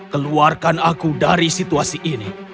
keluarkan aku dari situasi ini